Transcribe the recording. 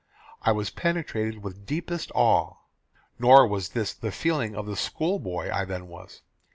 I was penetrated with deepest awe. Nor was this the feeling of the school boy I then was.